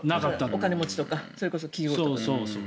お金持ちとかそれこそ企業とか。